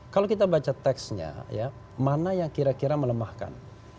kalau kita baca teksnya mana yang kira kira melemahkan